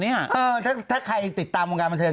ถ้าใครติดตามวงการบันเทิง